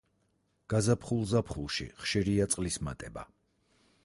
გაზაფხულ-ზაფხულში ხშირია წყლის მატება.